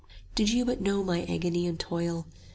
Did you but know my agony and toil!